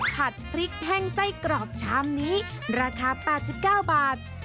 ผัดพริกแห้งไส้กรอบชามนี้ราคา๘๙บาท